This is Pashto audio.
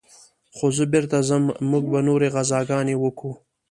خو زه بېرته ځم موږ به نورې غزاګانې وكو.